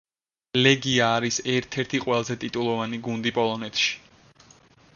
ლეგია არის ერთ-ერთი ყველაზე ტიტულოვანი გუნდი პოლონეთში.